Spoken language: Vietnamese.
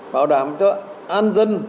bảo đảm cho an dân